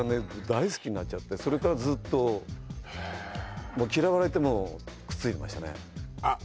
大好きになっちゃってそれからずっとへえ嫌われてもくっついてましたねあっ